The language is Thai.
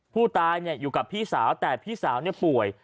ผู้ตายอยู่กับพี่สาวแต่พี่สาวป่วย